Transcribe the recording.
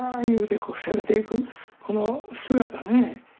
いうて攻めていくこの姿ね。